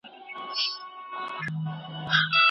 که څېړونکی خپلواک وي نو ښې پایلي به ترلاسه کړي.